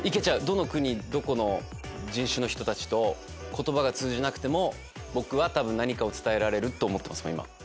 どの国どこの人種の人たちと言葉が通じなくても僕は多分何かを伝えられると思ってますもん今。